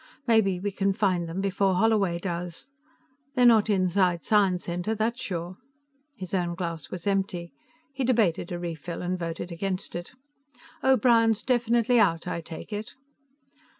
Maybe we can find them before Holloway does. They're not inside Science Center, that's sure." His own glass was empty; he debated a refill and voted against it. "O'Brien's definitely out, I take it?"